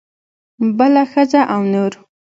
بله ښځه او نور.